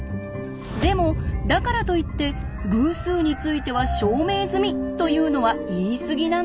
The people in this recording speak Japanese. でもだからといって「偶数については証明済み！」というのは言い過ぎなんです。